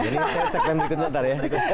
ini saya sekmen berikutnya nanti ya